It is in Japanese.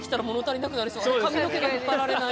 髪の毛が引っ張られない。